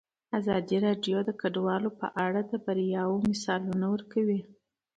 ازادي راډیو د کډوال په اړه د بریاوو مثالونه ورکړي.